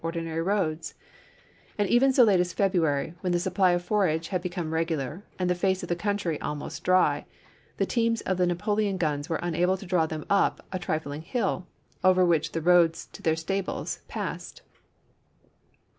ordinary roads ; and even so late as February, when the supply of forage had become regular and the face of the country almost dry, the teams of the Napoleon guns were unable to draw them up a trifling hill, over which the roads to their stables passed.